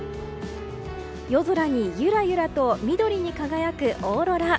夜空にゆらゆらと緑に輝くオーロラ。